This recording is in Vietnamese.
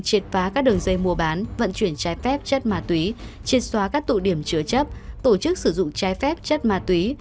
triệt phá các đường dây mua bán vận chuyển trái phép chất ma túy triệt xóa các tụ điểm chứa chấp tổ chức sử dụng trái phép chất ma túy